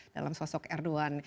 dalam sosok erdogan